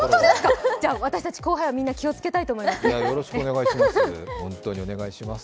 じゃ私たち後輩は気を付けたいと思います。